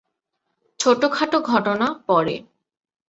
ছোটখাটো ঘটনা পরে।